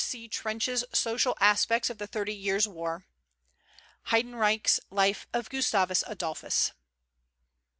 C. Trench's Social Aspects of the Thirty Years' War; Heydenreich's Life of Gustavus Adolphus.